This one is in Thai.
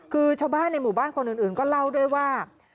คือชาวบ้านในหมู่บ้านคนอื่นก็เล่าด้วยว่า